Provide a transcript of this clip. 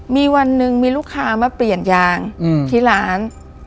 มีวันหนึ่งมีลูกค้ามาเปลี่ยนยางที่ร้าน